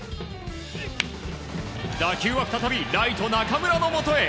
打球は再びライト、中村のもとへ。